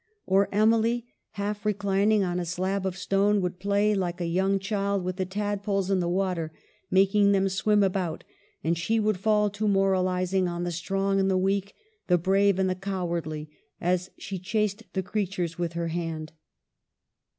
Or Emily, half reclining on a slab of stone, would play like a young child with the tadpoles in the water, making them swim about, and she would fall to moralizing on the strong and the weak, the brave and the cowardly, as she chased the creatures with her hand.